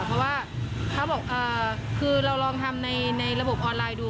เพราะว่าเขาบอกคือเราลองทำในระบบออนไลน์ดู